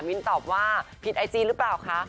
ตอบว่าผิดไอจีหรือเปล่าคะ